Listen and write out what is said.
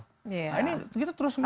nah ini kita terus menerus